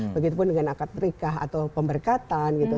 begitupun dengan akad berkah atau pemberkatan gitu